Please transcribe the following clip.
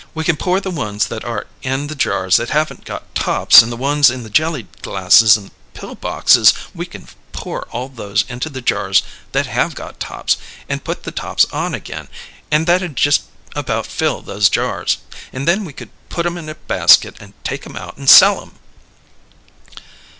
We can pour the ones that are in the jars that haven't got tops and the ones in the jelly glasses and pill boxes we can pour all those into the jars that have got tops, and put the tops on again, and that'd just about fill those jars and then we could put 'em in a basket and take 'em out and sell 'em!"